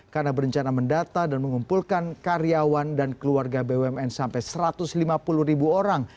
karena berencana mendata dan mengumpulkan karyawan dan keluarga bumn sampai satu ratus lima puluh ribu orang